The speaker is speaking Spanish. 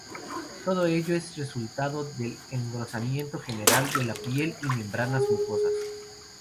Todo ello es resultado del engrosamiento general de la piel y membranas mucosas.